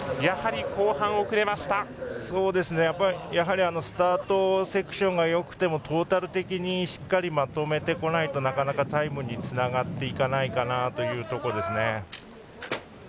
やはりスタートセクションがよくてもトータル的にしっかりまとめてこないとなかなかタイムにつながっていかないかなというところですね。